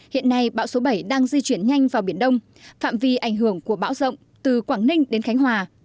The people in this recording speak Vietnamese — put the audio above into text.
hiện nay bão số bảy đang di chuyển nhanh vào biển đông phạm vi ảnh hưởng của bão rộng từ quảng ninh đến khánh hòa